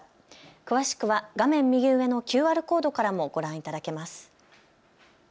詳しくは画面右上のＱＲコードからもご覧いただけます。